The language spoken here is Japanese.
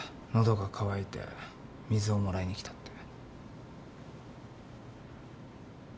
喉が渇いて水をもらいに来たって。